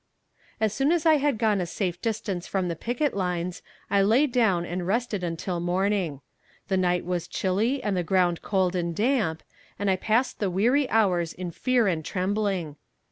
As soon as I had gone a safe distance from the picket lines I lay down and rested until morning. The night was chilly and the ground cold and damp, and I passed the weary hours in fear and trembling.